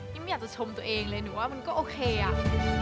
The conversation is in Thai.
ไม่อยากจะชมตัวเองเลยหนูว่ามันก็โอเคอ่ะ